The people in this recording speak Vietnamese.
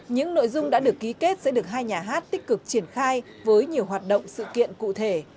những nội dung đã được ký kết sẽ được hai nhà hát tích cực triển khai với nhiều hoạt động sự kiện cụ thể